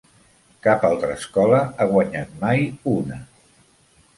Cap altra escola ha guanyat mai una.